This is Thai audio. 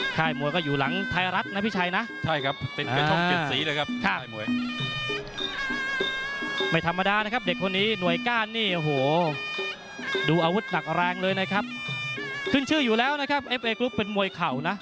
ค่ายมวยก็อยู่หลังไทยรัฐนะพี่ชัยนะใช่ครับเป็นกระโชคเก็ดสีนะครับค่ะ